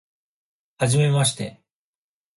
はじめまして